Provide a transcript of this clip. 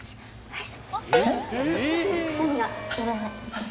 はい。